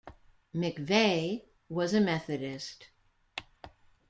MacVeagh was a Methodist.